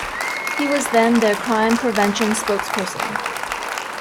He was then their Crime Prevention spokesperson.